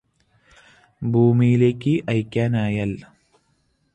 ഭൂമിയിലേയ്ക് അയയ്കാനായാല്